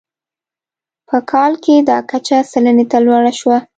په کال کې دا کچه سلنې ته لوړه شوه.